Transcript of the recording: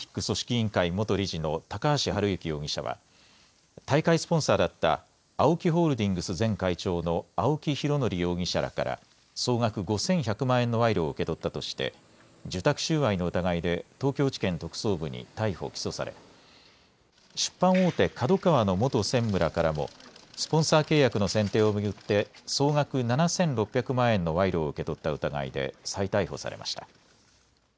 委員会元理事の高橋治之容疑者は大会スポンサーだったＡＯＫＩホールディングス前会長の青木拡憲容疑者らから総額５１００万円の賄賂を受け取ったとして受託収賄の疑いで東京地検特捜部に逮捕・起訴され出版大手、ＫＡＤＯＫＡＷＡの元専務らからもスポンサー契約の選定を巡って総額７６００万円の賄賂を受け取った疑いで再逮捕されました。